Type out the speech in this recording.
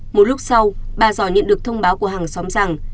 một lúc sau bà giò nhận được thông báo của hàng xóm rằng